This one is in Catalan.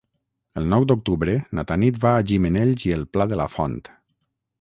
El nou d'octubre na Tanit va a Gimenells i el Pla de la Font.